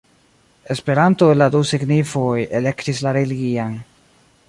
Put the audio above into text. Esperanto el la du signifoj elektis la religian.